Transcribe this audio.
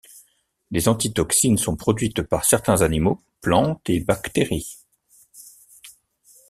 Les antitoxines sont produites par certains animaux, plantes et bactéries.